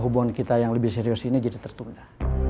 hubungan kita yang lebih serius ini jadi tertunda